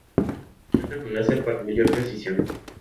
Cuenta con láser para mayor precisión.